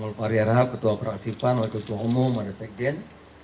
ada mulfari rahaf ketua peraksipan waduh tuhomum ada sekjen